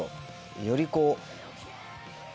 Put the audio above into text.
よりこう。